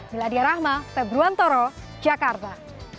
meladia rahma februantoro jakarta